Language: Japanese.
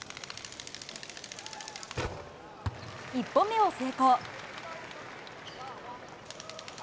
１本目を成功。